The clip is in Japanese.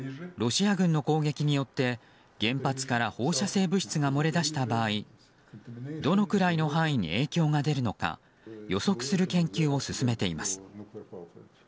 ロシア軍の攻撃によって原発から放射性物質が漏れ出した場合どのくらいの範囲に影響が出るのか、予測する研究を進めています。